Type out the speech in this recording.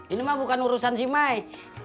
ini mah bukan urusan si mai